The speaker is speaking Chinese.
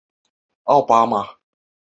授权的专有软件的复刻也时有发生。